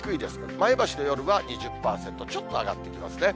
前橋の夜は２０％、ちょっと上がってきますね。